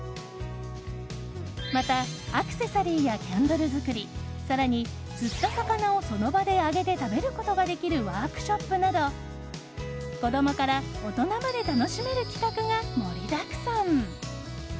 また、アクセサリーやキャンドル作り更に、釣った魚をその場で揚げて食べることができるワークショップなど子供から大人まで楽しめる企画が盛りだくさん。